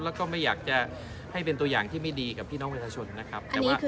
แล้วก็ไม่อยากจะให้เป็นตัวอย่างที่ไม่ดีกับพี่น้องประชาชนนะครับ